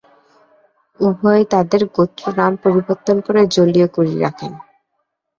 উভয়েই তাদের গোত্র নাম পরিবর্তন করে জোলিও-ক্যুরি রাখেন।